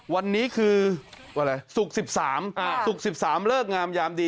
วันนี้คือวันอะไรศุกร์สิบสามอ่าศุกร์สิบสามเลิกงามยามดี